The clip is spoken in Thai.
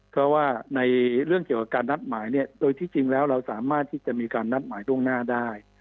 เพราะว่าในเรื่องเกี่ยวกับการนัดหมายเนี่ยโดยที่จริงแล้วเราสามารถที่จะมีการนัดหมายล่วงหน้าได้